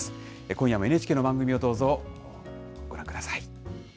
今夜もＮＨＫの番組を、どうぞご覧ください。